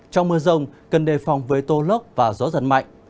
trong mưa rông cần đề phòng với tô lốc và gió giật mạnh